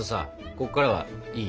ここからはいい？